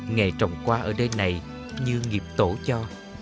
nghệ trồng qua ở đây này như nghiệp tổ cho